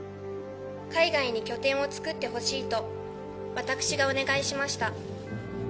海外に拠点を作ってほしいと私がお願いしました。